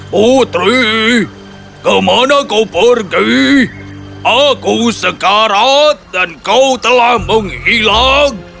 putri kemana kau pergi aku sekarat dan kau telah menghilang